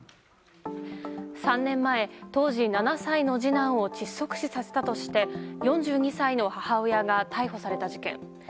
３年前、当時７歳の次男を窒息死させたとして４２歳の母親が逮捕された事件。